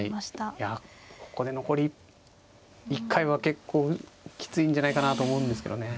いやここで残り１回は結構きついんじゃないかなと思うんですけどね。